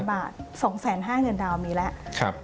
๑๐๐๐บาท๒๕๐๐๐๐บาทเงินดาวน์มีแล้ว